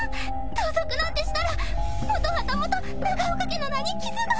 盗賊なんてしたら元旗本長岡家の名に傷が！